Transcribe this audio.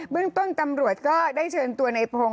เรื่องต้นตำรวจก็ได้เชิญตัวในพงศ